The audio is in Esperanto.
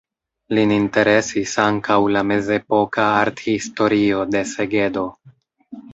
Lin interesis ankaŭ la mezepoka arthistorio de Segedo.